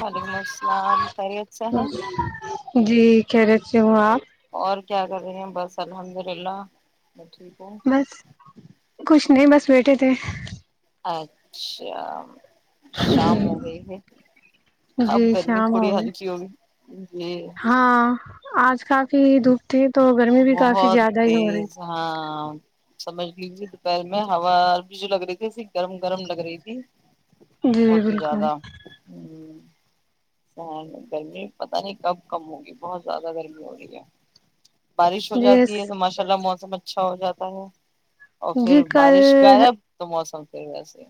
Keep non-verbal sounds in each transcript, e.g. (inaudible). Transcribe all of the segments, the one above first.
وعلیکم السلام خیریت سے ہیں جی کہہ رہتی ہوں آپ اور کیا کر رہے ہیں بس الحمد للہ میں ٹھیک ہو بس کچھ نہیں بس بیٹھے تھے اچھا شام ہو گئی ہے اب جی گرمی شام تھوڑی ہو گئے ہلکی ہوگی جی ہاں آج کافی دھوپ تھی تو گرمی بھی کافی بہت زیادہ ہی ہو رہی تیز ہاں سمجھ لیجیے دوپہر میں ہوا بھی جو لگ رہی تھی ایسی گرم گرم لگ رہی تھی جوی بہت ہی بالک س گرمی پت نہیں کب کم ہوگی بہت زیادہ گرمی ہو رہی ہے بارش ہو جی جاتی ہے تو ماشاء اللہ موسم اچھا اچھا ہو جاتا ہے اور پھر جی بارش کل غائب تو موسم پا سے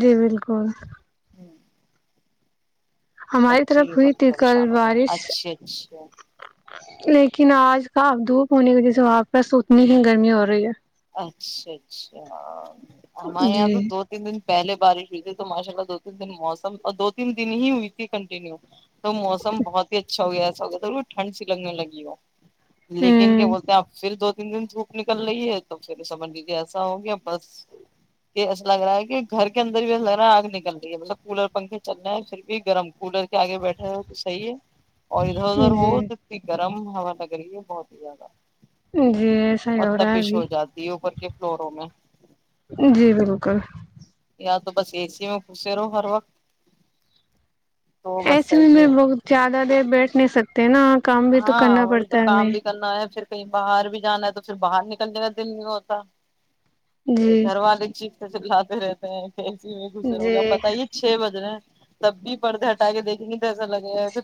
جی بالکل ہماری بچے طرف بھی ہوئی بہت تھی کل پریشان ہو گئے بارش اچھا اچھا لیکن آج ہپ دھوپ ہونے کی وجی سے وہاں پس تو اتنی ہی گرمی ہو رہی ہے اچھا اچھا ہے ہمارے یہاں جی تو دو تین دن پہلے بارش ہوئی تھی تو ماشاء اللہ دو تین دن موسم اور دو تین دن ہی ہوئی تھی کنٹینیو تو موسم بہت ہی اچھا ہو گیا س ٹھنڈ سی لگنے لگی ہو لیکن کیا ہوں بولتے ہیں آپ پھر دو تین دن دھوک نکل رہی ہے تو پھر سمجھ لیجیے ایسا ہوگیا بس یہ ایسا لگ رہا ہے کہ گھر کے اندر بھی ایسا لگ رہا ہے آگ نکل رہی ہے مطلب کولر پنکھے چل رہ ہے پھر بھی گرم کولر کے آگے بیٹھے ہوئے تو صحیح ہے اور ادھر ادھر ہو جی توھر گرم ہا لگ رہی ہے بہت ہی زیاہ جی ایسا ہی ہو رہا ہے ابھی جاتی اوپر کے فلورو میں جی بالکل یا تو بس اےسیی میں پھسے رہو ہر وقت تو بس ایسے میں صحیح میں ہے بہت زیادہ دیر بیٹھ نہیں سکتے ہیں نا کام بھی تو کرنا ہاں یہ تو پڑتا ہے ہمیں کہیں باہر بھی جانا ہے تو پھر باہر نکلنے کا دل نہیں ہوتا جی دھر والالچ ےلاتے رہتے ہیں ای میں گزرے ہو گیا جی پتائیے چھ بجے تب بھی پ پردے ہٹا کے دیکھیں گے تو ایسا لگے گا کہ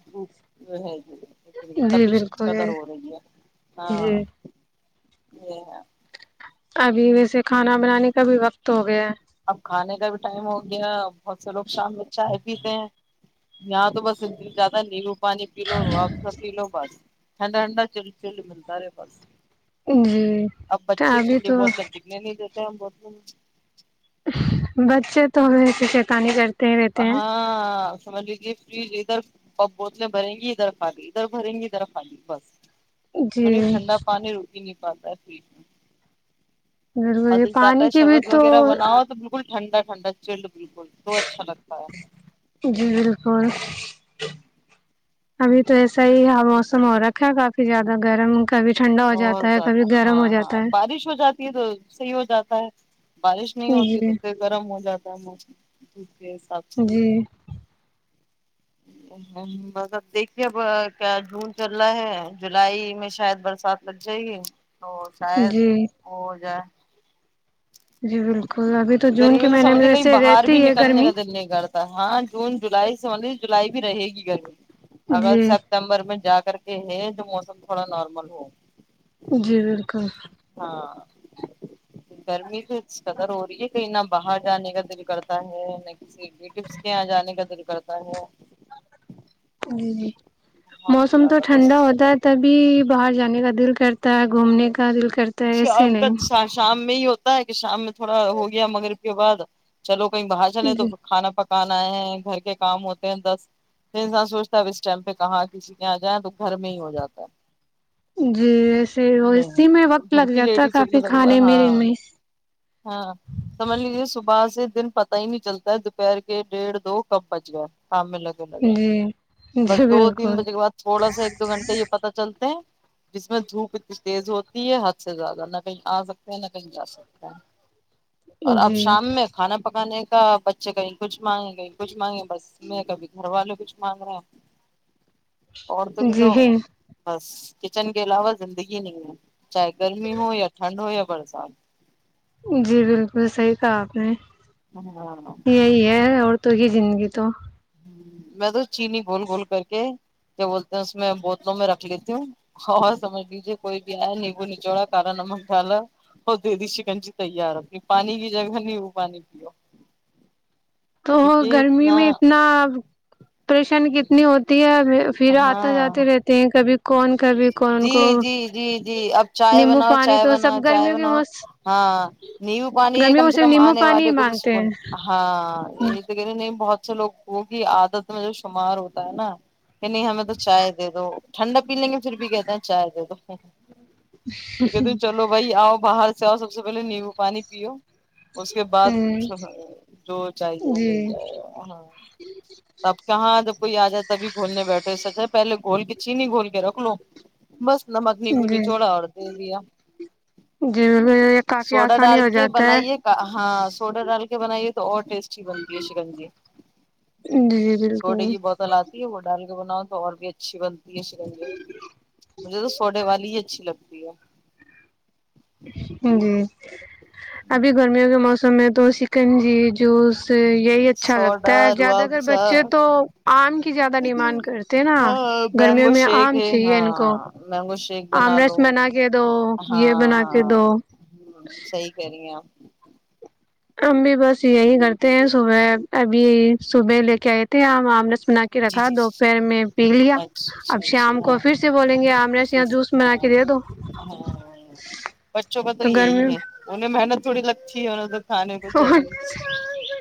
ہے یہ جی تبھی بالکل شکا در ہے ہو رہی ہے ہاں جی ا (inaudible) ابھی ویسے کھانا بنانے کا بھی وقت ہو گیا ہے اب کھانے کا بھی ٹائم ہو گیا بہت سے لوگ شام میں چائے پیتے ہیں یہاں تو بس زیادہ نیبو پانی پی لو رو آب س پی لو بس ہنڈا ہنڈا چل چل ملتا رہا بس جی تو ابھی تو د بت بچے تو وس چیتاانی کرتے ہی رہتے ہیں ہاں سمجھ لیجے فریج ادھر پپ بوتلیں بھریں گی ادھر خالی ادھر بھریں گی ادھر خالی بس میں جی نے ٹھنڈا پانی روٹی نہیں پتہ ٹھیک ہے ض اور یہ پانی کی بھی تو ٹنڈا ٹھڈا چل جی بالکل ابھی تو ایسا ہی ہ موسم ہو رکھا کافی زیادہ گرم کا بہت زیادہ ہاں ہاں ہے بارش ہو جاتی ہے تو صحیح ہو جاتا ہے بارش نہیں ہوتی ہے تو جی پھر گرم ہو جاتا (unintelligible) ج حساب سے جی ہ بس اب دیکھیے اب کیا جون چل رہا ہے جولائی میں شاید برسات لگ جائے گی تو شاید جی وہ ہو جائے جی بالکل ابھی جون گرمی کے میں تو مہینے سمجھ لی کہیں ویسے باہر رہتی بھی ہے نکلنے گرمی کا دل نہیں کرتا ہاں جون جولائی سمجھ لی جولائی بھی رہے گی گھر اگر جی سپتمبر میں جا کے کر کے ہے جو موسم تھوڑا نارمل ہو جی بالکل ہاں گرمی سے قدر ہو رہی ہے کہیں نہ باہر جانے کا دل کرتا ہے ریو کے یہاں جانے کا در کرت (unintelligible) ج موسم تو زیادہ بس ٹھنڈا ہوتا ہے تبھی باہر جانے کا دل کرتا ہے گھومنے کا دل کرت شام کا شام میں یہ ہوتا ہے کہ شام میں تھوڑا ہو گیا مگر اس کے بعد چلو کویں باہر جانے تو جی کانا پکا کان آئے ہیں گھر کے کام ہوتے ہیں دس پ انسان سوچتا ہے ا اس ٹائم پہ کہاں کسی کےاں جائیں تو گھر میں ہی ہو جاتا ہے جی ایسے نہیں اسی میں وقت گھر لگ کی جاتا ہے لیڈیزوں کافی کےا کھانے میرے ہاں میں ہاں سمجھ لیجے صبح سے دن پتا ہی نہیں چلتا ہے دوپہر کے ڈیڑھ دو کب بچ گیا شام میں لگے لگے جی بس جی دو تین بالکل بجے کے بعد تھوڑا سا ایک دو گھنٹے یہ پتا چلتے ہیں جس میں دھوپ کچ تیز ہوتی ہے حد سے زیادہ نہ کہیں آ سکتے ہیں نہ کہیں جا سکتا ہے اور اب جی شام میں کھانا پکانے بچے کایں کچھ مانگیں گئی کچھ مانگے بس میں کبھی گھر والے کچھ مگ رہ عورتوں کی جی تو بس کچن کے علاوہ زندگی یہ نہیں چاہے گرمی ہو یا ٹنڈ ہو یا بڑ ساحب جی بالکل صحیح تھا آپ نے ہاں دوڑ تو یہ زندگی تو میں تو چینی گول گھول کر کے کیا بولتے ہیں اس میں بوتلوں میں رکھ لیتی ہوں اور سمجھ لیجیے کوئی بھی آیا نیمبو نچوڑا کالا نمک ڈالا اور دے دیی چکنجی تیار رتی پانی کی جگہ نہیں وہ پانی پیو تو گرمی میں اتنا پریشانی کتنی ہوتی ہے پھر آتا ہاں جاتے رہتے ہیں بھی جی جی جی جی اب چائے نیمبو بناؤ پانی چائے تو بناؤ سب چائے گرمیوں کے بناؤ موس ہاں نیبو پانی یہ گرمیوں کم کو سے صرف کم نیمبو آنے پانی ہی والے کو بھی مانگتے ہیں سکون ہاں ہاں یہ تو کہے نہیں بہت لوگوں کی عادت میں جو شمار ہوتا ہے نا کہ نہیں ہمیں تو چائے دے دو ٹھنڈا پی لیں گے ادھر بھی کہتے ہیں چائے تو تو کہتی چلو بھائی آؤ باہر آؤ سب سے پہے نیمبو پانی پیو اس کے بعد ہمم جو چاہیے وہ مل جی جائے گا ہاں اب کہاں جب کوئی آ جائے تبھی گھولنے بیٹھے سچ ہے پہلے گھول کے چینی گھول کے رکھ لو بس نمک نیگ جی نچوڑا اور دے دیا جی بالکل یہ کافی سوڈا آسانی ڈال ہو کے جاتا بنائیے کا ہاں سوڈا ڈال کے بنائیے تو اور ٹیسٹی بنتی ہے شکنج ہے جی جی سوڈے بالکل کی بوتل آتی ہے وہ ڈال بناؤ تو اور بھی اچھی بنتی یہ رنجے مجھے تو سوڈے والی ہی اچھی لگتی ہے جو جی ابھی گرمیوں کے موسم میں تو چکن جی جوس تو یہی اچھا لگتا سوڈا ہے روح زیادہ اگر افزا بچے تو آم کی زیادہ ڈیمانڈ کرتے نا ہاں مینگو گرمیوں میں شیک آم ہے چاہیے ہاں ان کو مینگو شیک بنا آمرس لو کے دو ہاں یہ بنا کے ہاں دو صحی کہہ رہی (inaudible) ہم بھی بس یہی کرتے ہیں صبح ابھی صبح لے کے آئے تھ ہیں ہم آم بنا کے جی رکھا جی دو پیر میں پی لیا اچھا اب اچھا اچھا شام کو پھر ہاں سے بولیں گے آم رس یہ پھر جوس بنا ہاں کے دے دو ہاں تو گرمی جووڑی لگھی ہے اور کھانے کو چاہیے میں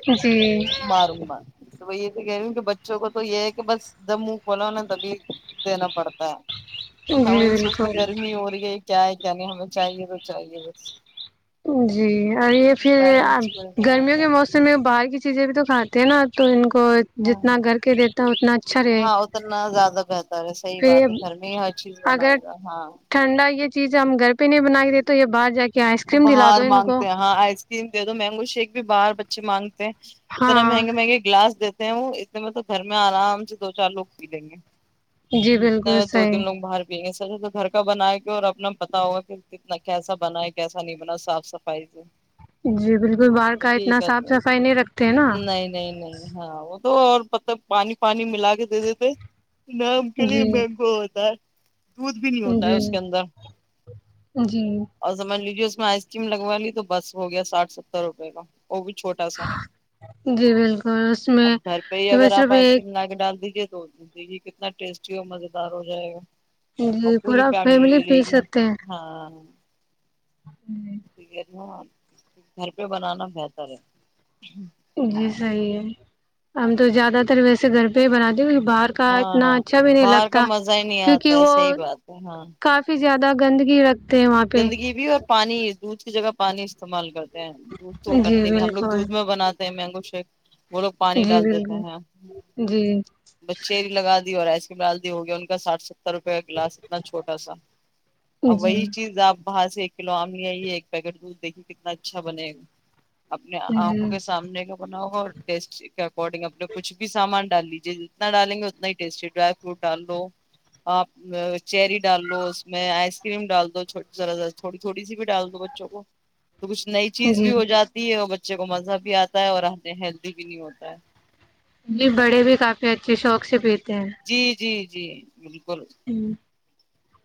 جی ماروں مار تو وہ یہ تو کہہ رہی ہوں کہ بچوں کو تو تو یہ ہے کہ بس جب منہ کھولا تبھی دینا پڑتا ہے ہ جی یہ سوچتے بالکل گرمی ہو رہی ہے کیا ہے یعنی ہمیں چاہیے تو چاہیے بس جی اور یہ پھر پیرنٹس پریشان گرمیوں ہوتا ہے کے موسم میں باہر کی چیزیں بھی تو کھات ہیں نا تو ان کو کو ہاں جتنا گھر کے دیتا ہ اتنا اچھا رہے ہاں اتنا زیادہ بہتر ہے صحیح پھر بات ہے گھر میں ہی ہر چیز اگر بنائی گا ہاں ٹھنڈا یہ چیز ہم گھر پہ نہیں بنا کے دیتے تو یہ بعار ج کے آس تو باہر مانگتے ہیں ہاں آئس کریم دے دو مینگو شیک بھی باہر بچے مانگ اتنا ہاں مہنگے مہنگے گلاس د وہ اتنے مطلب گھر میں آرام سے دو چار لوگ پی لیں گے جی اتنے بالکل دو صحیح تین لوگ باہر گھر کا بناائے گ اور اپنا پتا ہوگا کہھر کتنا کیسا بنائے گا کیسا نہیں بنا صاف صفائی سے جی بالکل باہر وہ کا بھی یہی اتنا صاف کہتے ہیں صفائی نہیں رکھتے ہیں نا نہیں نہیں نہیں ہاں وہ تو اور مطلب پانی پانی ملا کے دے دیتے نام کلی جی مگ ہوتاا جی جی مان لیجیے اس میں آئس کریم لگوا لی تو بس ہو گیا سٹھ ستر روپئے کا وہ بھی چھوٹا سا جی بالکل اس اب میں گھر پہ ہی اگر بس صرف آپ ایسے ایک ملا کے ڈال دیجیے د دیجے گی کتنا ٹیسٹی اور مزے دار ہو جائے گا جی اور پوری پورا فیملی لے لے پی گی سکتے ہیں ہاں گھر پہ بنانا بہتر ہے جی صحیح ہے ہم تو زیادہ تر ویسے گھر پہ ہی بنا د ہاں ہاں باہر کا مزہ ہی نہیں آتا کیونکہ ہے وہ صحی بات ہے ہاں کافی زیادہ گندگی رکھ ہیں وہاں پہ گندگی بھی اور پانی دودسری جگہ پانی استعمال کرتا دھ تو جی کرتے ہیں ہم لوگ بالکل دودھ میں بناتے مینگو شیک وہ لوگ پانی جی ڈال دیتے بالکل ہیں جی بچیری لگا دی اورس ال دی ہو گیا ان کا ساٹھ ستر روپ کا گلاس اتنا چھوٹا سا اب جی وہی چیز آپ باہر سے ایک کلو آم ل آئیے ایک پیکٹ دودھ دیکھیے کتنا اچھا بنے گا اپنے آنکھوں کے جی سامنے بناؤ اور ٹیسٹی کے اکارڈنگ اپنے کچھ بھی سامان ڈال لیجے جتنا ڈالیں گے اتنا ہی ٹیسٹی ڈرائی فروٹ ڈال لو آپ چیری ڈال لو اس میں آئس کریم ڈال دو ذرارا تھوڑی تھوڑی سی بھی ڈال دو بچوں کو تو کچھ نئی چیز بھی جی ہو جاتی ہے اور ب بچے کو مزہ بھی آتا ہے اور آتے ہیلدی بھی نہیں ہوتا ہے جی بڑے بھی کافی اچھے شوق سے پ جی جی جی کل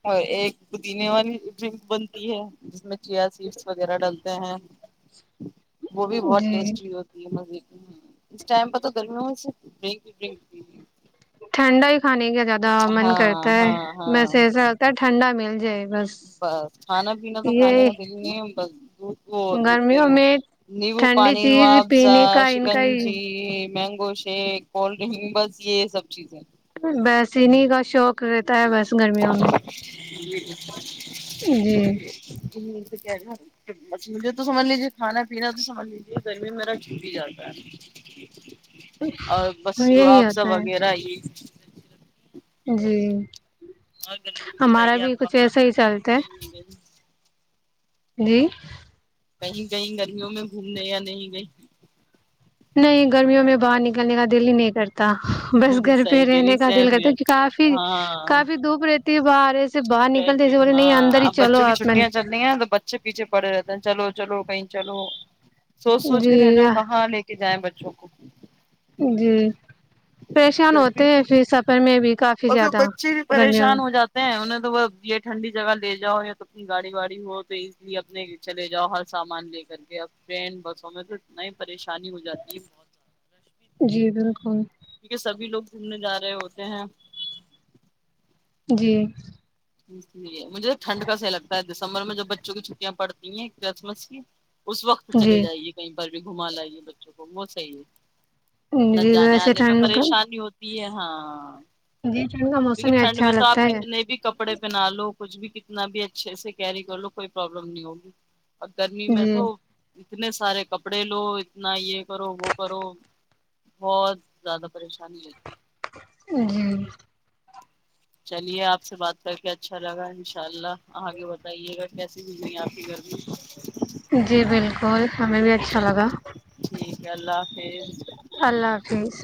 اور ایک پودینے والی ڈرنک بنتی ہے جس میں چیئر سیٹس وغیرہ ڈالتے ہیں وہ بھی بہت جی ٹیسٹی ہوتی ہے مزے ہ اس ٹائم پہ تو گرمیوں میں صر بریک ہی بریک بھی ٹھنڈا ہی کانے کیا زیادہ من کرتا ہاں ہے ہاں ہاں میںسے ایسا لگتا ہے ٹھنڈا م جائے بس بس کھانا پینا تو کھانے یہ کا دل ہی نہیں بس دھ کو دھ پہ گرمیوں رہی ہوں میں نیبو ٹھنڈی پانی ر چیز افضہ پینے کا ان کا ہی شکنجی مینگ گوشے کولڈ ڈرنکگ بس یہ یہ سب چیزیں بسین کا شوق رہ جی ج ن مجھے تو سمجھ لیجیے کھانا پینا تو سمجھ لیجیے گرمی میں میرا چھوٹ ہی جاتا ہے اور بصروح یہی افزہ ہوتا ہے وغیرہ ہی (inaudible) ہ گل ہمارا بتائیے بھی آپ کچھ ایسا گ ہی چلتا ہے نہیں گئی جی کہیں کہیں گرمیوں میں گھومنے یا نہیں گئی نہیں گرمیوں میں باہر نکلنے کا دل ہی نہیں کرتا بس گئی گھر پہ صحیح کہہ رہی ہے رہنے کا دل سیم کرتا یار کافی ہاں کافی دھوپ رہتی ہے بار دھوپ رہتی ہے ہاں اب بچوں کی آپ من چھٹیاں چلنی ہیں تو بچے پیچھے پڑے رہتے ہیں چلو تو چلو کہیں چلو سوچ سوچ کر رہ جی جاؤ کہاں لے کے جائیں بچ چوکو جی پریشان ہوتے گرمی ہیں سے پھر سفر میں بھی کافی اور پھر زیادہ بچے بھی گرمیوں پریشان ہو میں جاتے ہیں انہیں تو یہ ٹھنڈی جگہ لے جاؤ یا تو اپنی گاڑی واڑی ہو تو ایزیلی اپنے چلے جاؤ ہر سامان لے کر کے اب ٹرین بسوں میں تو اتنا ہی پریشانی ہو جاتی ہے بہت جی بالکل گومنے جا رہے ہوتے ہیں جی اس لیے مجھے ٹھنڈ کا صح لگتا ہے دسمبر میں جب بچوں کی چھٹیاں پڑتی ہیں کرسمس کی اس وقت جی چے جائیے کہیں بھی گھما لاائیے بچوں کو وہ صحیح ہے جی ویسے ٹھنڈ کا پ ہاں جی ٹھنڈ کا موسم کیونکہ ہی ٹھنڈ اچھا میں تو لگتا آپ ہے کتنے بھی کپڑے پہنا لو کچھ بھی کتنا بھی اچھے سے کیری کر لو کوئی پرابلم نہیں ہوگی اور گرمی میں جی تو اتنے سارے کپڑے لو اتنا یہ کرو وہ کرو بہت زیادہ پریشانی ہوتی ہے جی چلیے آپ سے بات کر کے اچھا لگا انشاء اللہ آگے بتائیے گا کیسی زندی ہے آپ کے گھر میں جی بالکل ہمیں بھی اچھا لگا گ ال اللہ حافظ